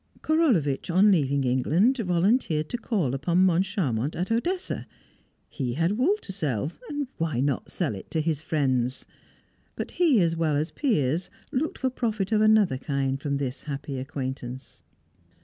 Korolevitch, on leaving England, volunteered to call upon Moncharmont at Odessa. He had wool to sell, and why not sell it to his friends? But he, as well as Piers, looked for profit of another kind from this happy acquaintance.